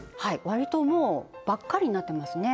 割ともうばっかりになってますね